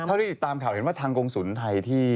เท่าที่ติดตามข่าวเห็นว่าทางกรงศูนย์ไทยที่